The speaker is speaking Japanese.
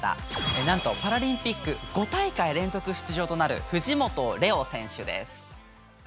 なんとパラリンピック５大会連続出場となる藤本怜央選手です。